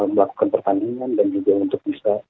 melakukan pertandingan dan juga untuk bisa